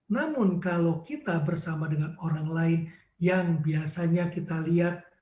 namun kalau kita bersama dengan orang lain yang biasanya kita lihat